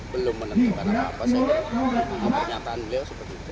belum menentukan apa saya kira pernyataan beliau seperti itu